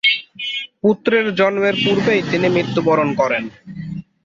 পুত্রের জন্মের পূর্বেই তিনি মৃত্যুবরণ করেন।